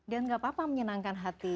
dan gak apa apa menyenangkan hati